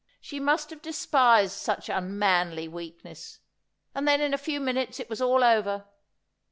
She must have despised such un manly weakness. And then in a few minutes it was all over.